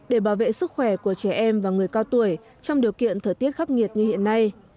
để bảo vệ sức khỏe của trẻ em và người cao tuổi trong điều kiện thời tiết khắc nghiệt như hiện nay